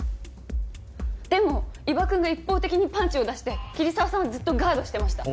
でも伊庭くんが一方的にパンチを出して桐沢さんはずっとガードしてました。